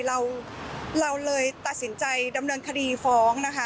เราเราเลยตัดสินใจดำเนินคดีฟ้องนะคะ